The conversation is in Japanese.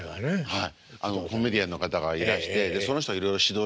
はい。